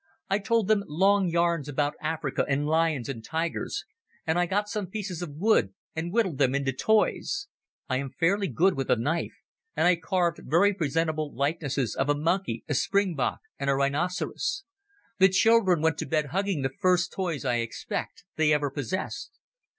I told them long yarns about Africa and lions and tigers, and I got some pieces of wood and whittled them into toys. I am fairly good with a knife, and I carved very presentable likenesses of a monkey, a springbok, and a rhinoceros. The children went to bed hugging the first toys, I expect, they ever possessed.